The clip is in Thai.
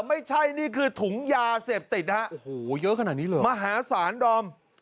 ไม่ใช่นี่คือถุงยาเสพติดนะฮะโอ้โหเยอะขนาดนี้เลยมหาศาลดอม